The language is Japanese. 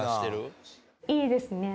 いいですね。